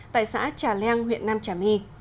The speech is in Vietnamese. tại xã trà leng huyện nam trà my